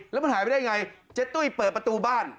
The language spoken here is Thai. แล้วมันหายไปได้ยังไงเจ๊ตุ้ยเปิดประตูบ้าน